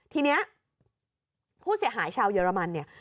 ทีนี้ผู้เสียหายชาวเยอรมันเนี่ย